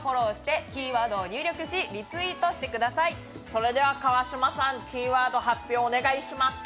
それでは川島さん、キーワード発表お願いします。